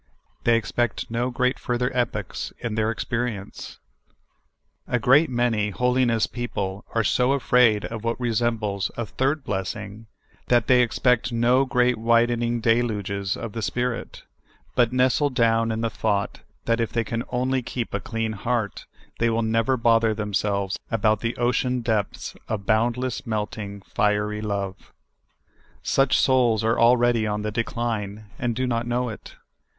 They expect no further great epochs in their experience. A great many holiness people are so afraid of what resembles a third blessing that they expect no great 30 SOUL FOOD. widening deluges of the Spirit, but nestle down in the thought that if the}' can only keep a clean heart, they will never bother themselves about the ocean depths of boundless, melting, fiery love. Such souls are already on the decline, and do not know it.